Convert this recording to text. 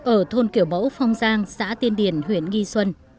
ở thôn kiểu mẫu phong giang xã tiên điển huyện nghi xuân